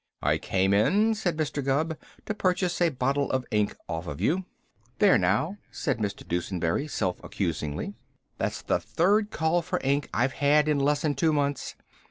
"I came in," said Mr. Gubb, "to purchase a bottle of ink off of you." "There, now!" said Mr. Dusenberry self accusingly. "That's the third call for ink I've had in less'n two months.